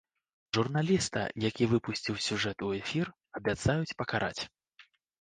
Журналіста, які выпусціў сюжэт у эфір, абяцаюць пакараць.